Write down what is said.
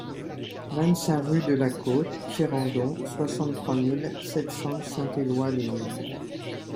vingt-cinq rue de la Côte Ferrandon, soixante-trois mille sept cents Saint-Éloy-les-Mines